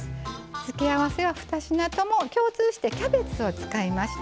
付け合わせは２品とも共通して、キャベツを使いました。